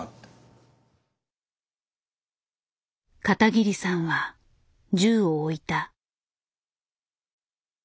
片桐さんは銃を置いた。